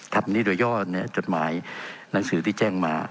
นี้โดยย่อจดหมายหนังสือที่แจ้งมา